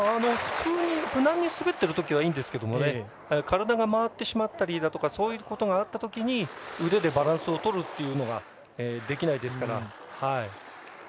普通に、無難に滑っているときはいいですけど体が回ってしまったりだとかそういうことがあったときに腕でバランスを取ることができないですから。